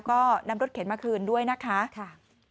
ก็นำรถเข็นมาคืนด้วยนะคะ